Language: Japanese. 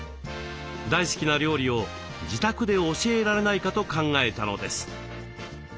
大好きな料理を自宅で教えられないかと考えたのです。